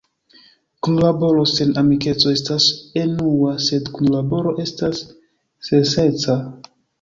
Kunlaboro sen amikeco estas enua, sed kunlaboro estas sensenca.